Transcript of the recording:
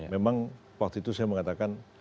memang waktu itu saya mengatakan